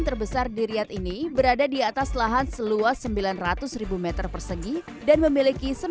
terbesar di riyad ini berada di atas lahan seluas sembilan ratus m persegi dan memiliki